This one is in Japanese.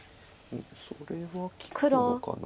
それは利くのかな？